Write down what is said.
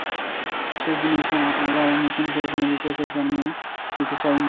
শেষ দিনে এসে আবার নতুন করে কোনো বিতর্কের জন্ম দিতে চাই না।